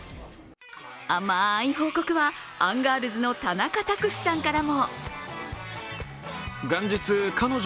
甘い報告はアンガールズの田中卓志さんからも。